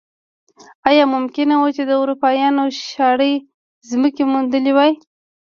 ایا ممکنه وه چې اروپایانو شاړې ځمکې موندلی وای.